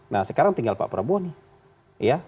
nah sekarang tinggal pak prabowo nih